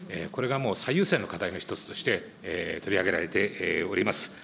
もう、最優先の課題の一つとして、取り上げられております。